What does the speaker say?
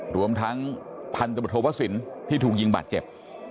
รวมทั้งพันธบทโทวสินที่ถูกยิงบาดเจ็บ